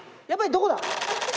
どこだ？